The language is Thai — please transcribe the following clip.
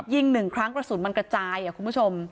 ยิง๑ครั้งกระสุนมันกระจายคุณผู้ชม